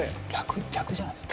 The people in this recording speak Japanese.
逆じゃないですか？